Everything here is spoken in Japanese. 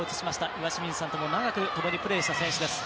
岩清水さんとも長くともにプレーした選手です。